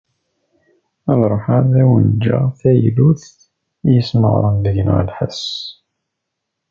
Ad ruḥeγ ad awen-ğğeγ taylut i yesmeγren deg-neγ lḥes.